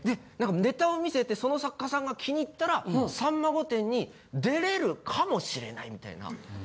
ネタを見せてその作家さんが気に入ったら『さんま御殿』に出れるかもしれないみたいな。